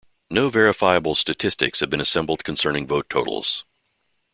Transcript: No verifiable statistics have been assembled concerning vote totals.